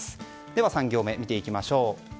では３行目見ていきましょう。